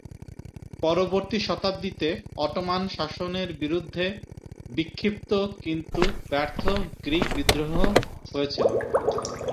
পরবর্তী শতাব্দীতে, অটোমান শাসনের বিরুদ্ধে বিক্ষিপ্ত কিন্তু ব্যর্থ গ্রীক বিদ্রোহ হয়েছিল।